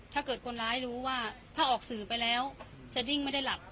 ถ้าเกิดคนร้ายรู้ว่าถ้าออกสื่อไปแล้วสดิ้งไม่ได้หลับ